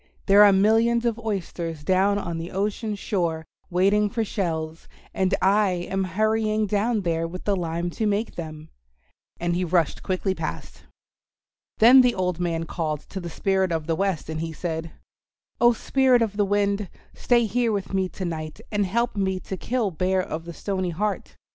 There are millions of oysters down on the ocean shore waiting for shells, and I am hurrying down there with the lime to make them," and he rushed quickly past. Then the old man called to the Spirit of the Wind, and he said, "Oh, Spirit of the Wind, stay here with me to night and help me to kill Bear of the Stony Heart.